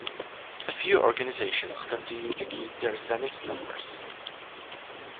A few organizations continue to keep their Zenith numbers.